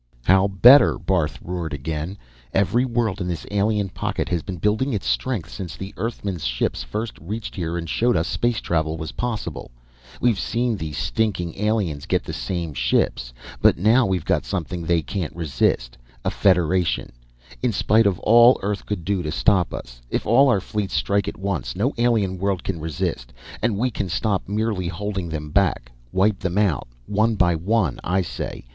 "How better?" Barth roared again. "Every world in this alien pocket has been building its strength since the Earthmen's ships first reached here and showed us space travel was possible. We've seen the stinking aliens get the same ships. But now we've got something they can't resist a Federation, in spite of all Earth could do to stop us. If all our fleets strike at once, no alien world can resist and we can stop merely holding them back. Wipe them out, one by one, I say!